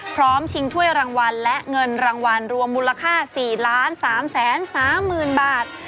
ชิงถ้วยรางวัลและเงินรางวัลรวมมูลค่า๔๓๓๐๐๐บาท